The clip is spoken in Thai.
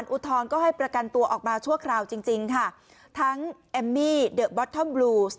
อุทธรณ์ก็ให้ประกันตัวออกมาชั่วคราวจริงจริงค่ะทั้งแอมมี่เดอะบอทอมบลูส